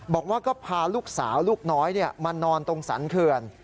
บอกว่าก็พาลูกสาวลูกน้อยมานอนตรงสรรเขื่อน